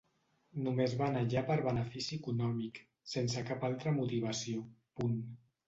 Només va anar allà per benefici econòmic, sense cap altra motivació, punt.